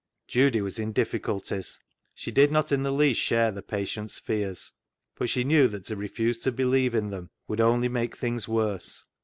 Judy was in difficulties. She did not in the least share the patient's fears, but she knew that to refuse to believe in them would only make things worse.